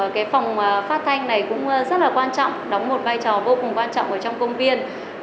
cái phòng phát thanh này cũng rất là quan trọng đóng một vai trò vô cùng quan trọng ở trong công viên